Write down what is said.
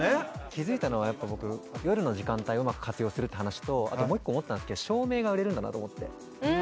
気付いたのは、やっぱ僕、夜の時間帯をうまく活用するっていう話と、あともう一個、思ったんですけど、照明が売れるんだと思って。